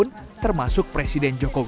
dan juga kebutuhan dari ganjar pranowo